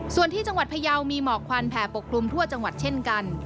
ส่วนที่จังหวัดพยาวมีหมอกควันแผ่ปกคลุมทั่วจังหวัดเช่นกัน